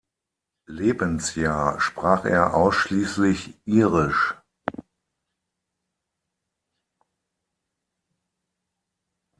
Lebensjahr sprach er ausschließlich Irisch.